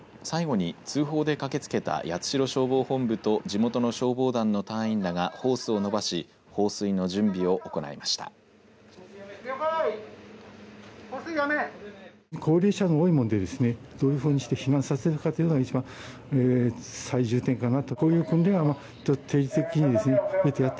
最後に通報で駆けつけた八代消防本部と地元の消防団の団員らがホースを伸ばし放水の準備を行いました。